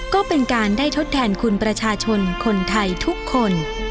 ก็เป็นการได้ทดแทนคุณประชาชนคนไทยทุกคน